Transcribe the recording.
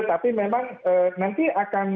tapi memang nanti akan